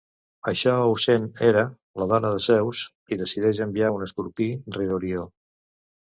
Això ho sent Hera, la dona de Zeus, i decideix enviar un escorpí rere Orió.